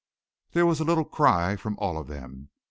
There was a little cry from all of them.